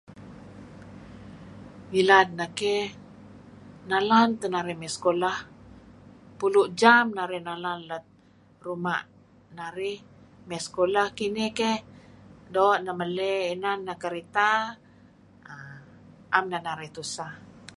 ngilad neh ke' nalan teh narih me' sekulah pulu jam narih nalan lat ruma narih me' sekulah kinih ke' do' neh mele inan neh kereta am neh narih tusah